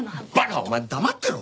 お前黙ってろ！